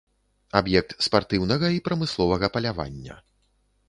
Аб'ект спартыўнага і прамысловага палявання.